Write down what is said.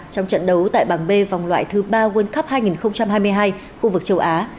trong trận đấu tại bảng b vòng loại thứ ba world cup hai nghìn hai mươi hai khu vực châu á